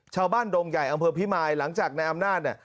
ชาวบ้านดงใหญ่อำเภอพิมายหลังจากนายอำนาจ